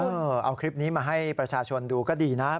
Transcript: เอาคลิปนี้มาให้ประชาชนดูก็ดีนะ